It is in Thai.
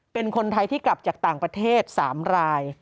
เป็นคนไทยที่กลับจากต่างประเทศ๓ราย